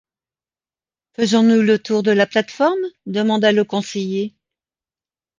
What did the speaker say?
Faisons-nous le tour de la plate-forme ? demanda le conseiller.